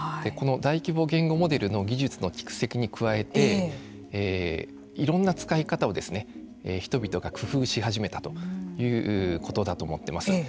大規模言語モデルの技術の蓄積に加えていろんな使い方を人々が工夫し始めたということだと思っています。